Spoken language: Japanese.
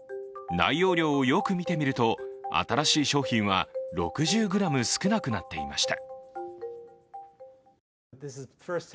内容量をよく見てみると、新しい商品は６０ｇ少なくなっていました。